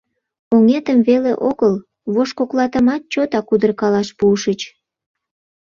— Оҥетым веле огыл, вожгоклатымат чотак удыркалаш пуышыч.